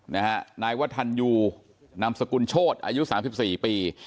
นะฮะนายวัฒนยูนำสกุลโชฎอายุ๓๔ปี